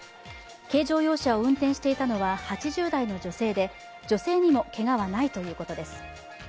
軽乗用車を運転していたのは８０代の女性で女性にもけがはないということです。